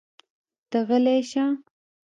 ته غلی شه!